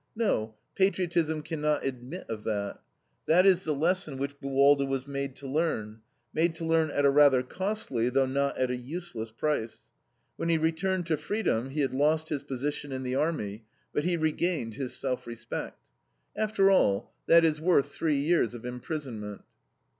No, patriotism can not admit of that. That is the lesson which Buwalda was made to learn; made to learn at a rather costly, though not at a useless, price. When he returned to freedom, he had lost his position in the army, but he regained his self respect. After all, that is worth three years of imprisonment.